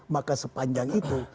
maka sepanjang itu